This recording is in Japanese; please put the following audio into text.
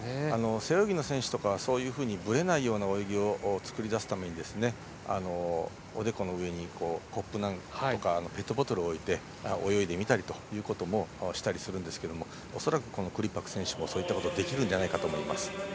背泳ぎの選手とかはぶれないような泳ぎを作り出すためにおでこの上にコップとかペットボトルを置いて泳いでみたりということもしたりするんですけれども恐らく、このクリパク選手もそういったことができるんじゃないかと思います。